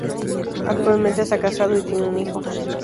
Actualmente está casado y tiene un hijo.